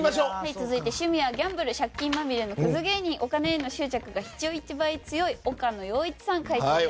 続いて趣味はギャンブル借金まみれのクズ芸人お金への執着が人一倍強い岡野陽一さん